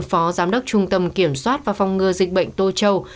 phó giám đốc trung tâm kiểm soát và phong ngơ dịch bệnh tô châu